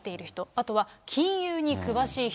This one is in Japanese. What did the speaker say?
あとは金融に詳しい人。